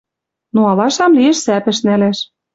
Но алашам лиэш сӓпӹш нӓлӓш